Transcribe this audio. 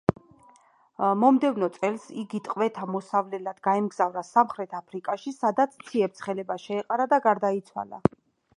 მომდევნო წელს იგი ტყვეთა მოსავლელად გაემგზავრა სამხრეთ აფრიკაში, სადაც ციებ-ცხელება შეეყარა და გარდაიცვალა.